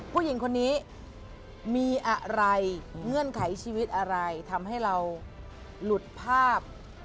ผู้หญิงคนนี้มีอะไรเงื่อนไขชีวิตอะไรทำให้เราหลุดภาพ